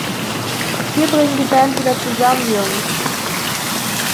Wir bringen die Band wieder zusammen, Jungs!.